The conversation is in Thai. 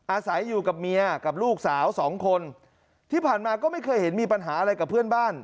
อาศัยอยู่กับเมียกับลูกสาวสองคนที่ผ่านมาก็ไม่เคยเห็นมีปัญหาอะไรกับเพื่อนบ้าน